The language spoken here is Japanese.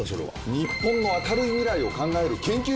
日本の明るい未来を考える研究室です。